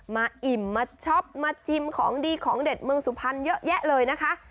อิ่มมาช็อปมาชิมของดีของเด็ดเมืองสุพรรณเยอะแยะเลยนะคะ